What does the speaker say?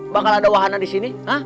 bakal ada wahana disini